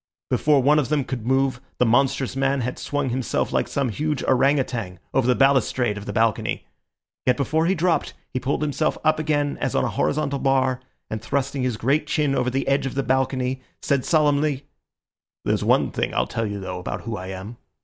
Before one of them could move, the monstrous man had swung himself like some huge ourang outang over the balustrade of the balcony. Yet before he dropped he pulled himself up again as on a horizontal bar, and thrusting his great chin over the edge of the balcony, said solemnly— "There's one thing I'll tell you though about who I am.